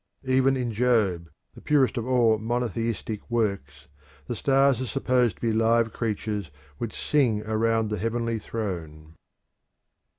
Even in Job, the purest of all monotheistic works, the stars are supposed to be live creatures which sing around the heavenly throne.